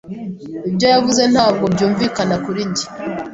Ibyo yavuze ntabwo byumvikana kuri njye.